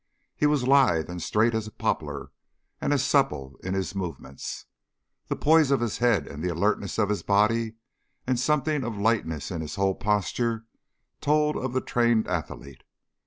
He was lithe and straight as a poplar, and as supple in his movements. The poise of his head and the alertness of his body and something of lightness in his whole posture told of the trained athlete.